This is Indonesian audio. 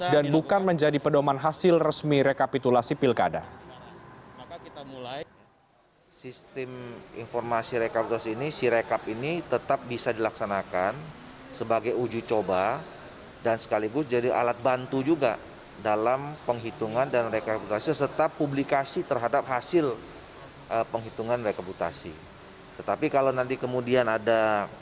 dan bukan menjadi pedoman hasil resmi rekapitulasi pilkada